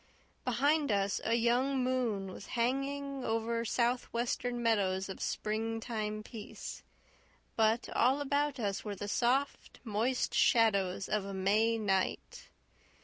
Behind us a young moon was hanging over southwestern meadows of spring time peace, but all about us were the soft, moist shadows of a May night.